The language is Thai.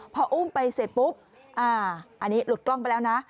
พออุ้มไปเสร็จปุ๊บอันนี้หลุดกล้องไปแล้วนะ